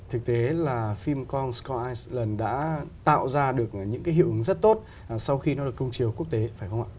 thế là phim con skies lần đã tạo ra được những hiệu ứng rất tốt sau khi nó được công chiều quốc tế phải không ạ